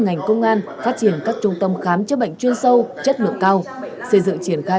ngành công an phát triển các trung tâm khám chữa bệnh chuyên sâu chất lượng cao xây dựng triển khai